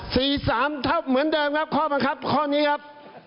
สี่สามทับเหมือนเดิมครับข้อบังคับข้อนี้ครับ